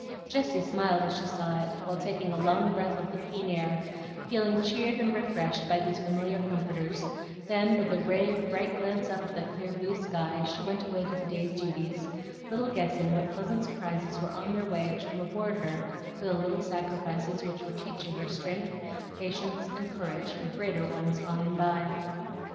Jessie smiled as she saw it, while taking a long breath of the keen air, feeling cheered and refreshed by these familiar comforters; then with a brave, bright glance up at the clear blue sky she went away to the day's duties, little guessing what pleasant surprises were on their way to reward her for the little sacrifices which were teaching her strength, patience, and courage for greater ones by and by.